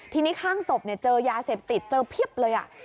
ทีนี้ข้างศพเจอยาเสพติดเจอเพียบเลย